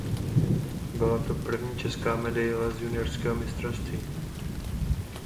Byla to první česká medaile z juniorského mistrovství.